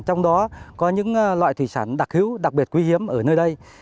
trong đó có những loại thủy sản đặc hữu đặc biệt quý hiếm ở nơi đây